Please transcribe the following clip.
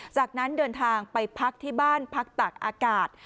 จากนั้นเดินทางไปพักที่บ้านพักตากอากาศ